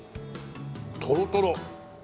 トロトロ。